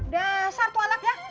dasar tuanak ya